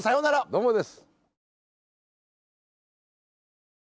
どうもです。